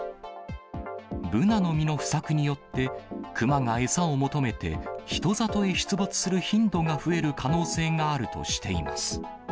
ブナの実の不作によって、クマが餌を求めて人里へ出没する頻度が増える可能性があるとしています。